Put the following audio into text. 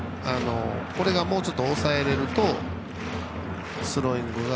もうちょっと押さえられるとスローイングが。